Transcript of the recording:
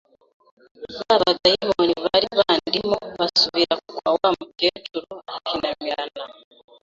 ba badayimoni bari bandimo basubira kwa wa mukecuru, arahinamirana